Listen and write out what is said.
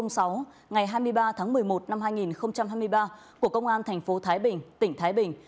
ngày hai mươi ba tháng một mươi một năm hai nghìn hai mươi ba của công an thành phố thái bình tỉnh thái bình